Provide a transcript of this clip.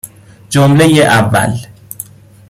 جمله اول.